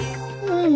うん！